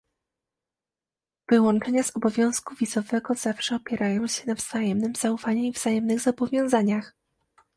Wyłączenia z obowiązku wizowego zawsze opierają się na wzajemnym zaufaniu i wzajemnych zobowiązaniach